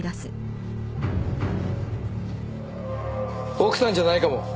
奥さんじゃないかも。